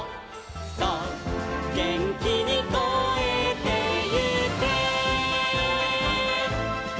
「そうげんきにこえてゆけ」